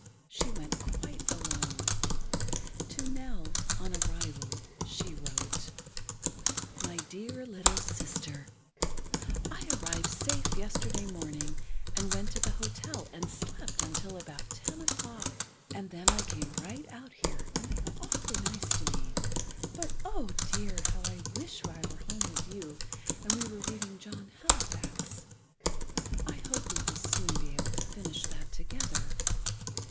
She went quite alone. To Nell, on arrival, she wrote: My dear little sister: I arrived safe yesterday morning and went to the hotel and slept until about ten o'clock & then I came right out here, and they are awfully nice to me, but Oh! dear how I wish I were home with you and we were reading "John Halifax"! I hope we will soon be able to finish that together....